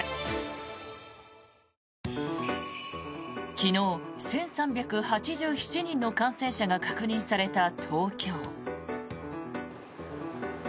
昨日、１３８７人の感染者が確認された東京。